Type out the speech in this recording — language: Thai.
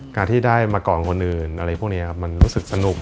การที่ได้มาก่อนคนอื่นอะไรพวกนี้ครับมันรู้สึกสนุก